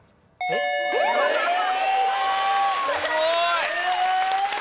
・すごい！